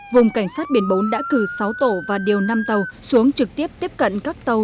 vùng cảnh sát biển bốn đã cử sáu tổ và điều năm tàu xuống trực tiếp tiếp cận các tàu